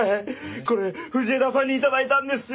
これ藤枝さんに頂いたんですよ。